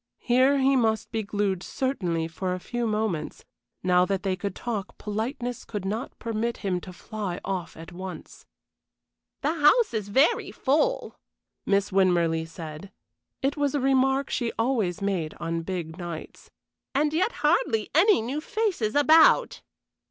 Here he must be glued certainly for a few moments; now that they could talk, politeness could not permit him to fly off at once. "The house is very full," Miss Winmarleigh said it was a remark she always made on big nights "and yet hardly any new faces about."